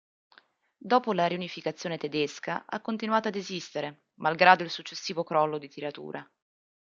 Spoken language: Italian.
Dopo la riunificazione tedesca ha continuato ad esistere, malgrado il successivo crollo di tiratura.